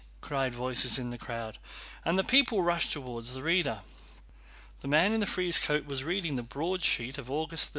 cried voices in the crowd, and the people rushed toward the reader. The man in the frieze coat was reading the broadsheet of August 31.